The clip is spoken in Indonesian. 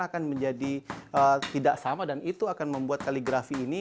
akan menjadi tidak sama dan itu akan membuat kaligrafi ini